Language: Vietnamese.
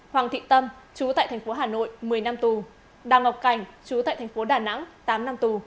hoàng thị tâm chú tại thành phố hà nội một mươi năm tù đào ngọc cảnh chú tại thành phố đà nẵng tám năm tù